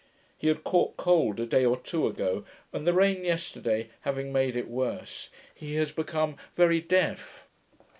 ] He had caught cold a day or two ago, and the rain yesterday having made it worse, he was become very deaf.